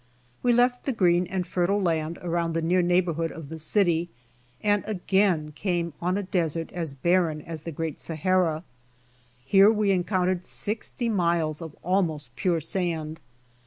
We left the green and fertile land around the near neighborhood of the city, and again came on a desert as barren as the great Sahara. Here we encountered sixty miles of almost pure sand.